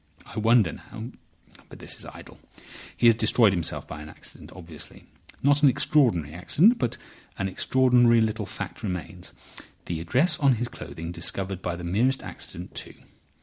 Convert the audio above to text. I wonder now—But this is idle. He has destroyed himself by an accident, obviously. Not an extraordinary accident. But an extraordinary little fact remains: the address on his clothing discovered by the merest accident, too.